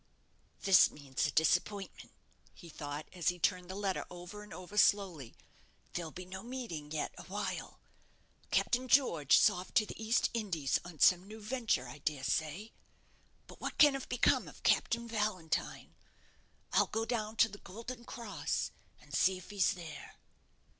"This means a disappointment," he thought, as he turned the letter over and over slowly; "there'll be no meeting yet awhile. Captain George is off to the East Indies on some new venture, I dare say. But what can have become of Captain Valentine? I'll go down to the 'Golden Cross,' and see if he's there."